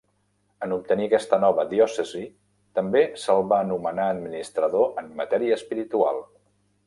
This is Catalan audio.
En obtenir aquesta nova diòcesi, també se'l va nomenar administrador en matèria espiritual.